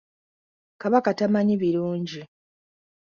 Kabaka tamanyi birungi.